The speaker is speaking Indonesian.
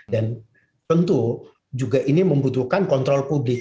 dan tentu juga ini membutuhkan kontrol publik